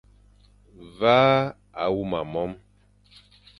Ve a huma mome.